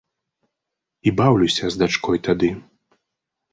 І баўлюся з дачкой тады.